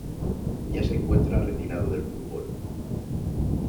Ya se encuentra retirado del fútbol.